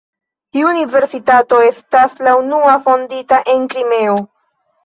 Tiu universitato estas la unua fondita en Krimeo.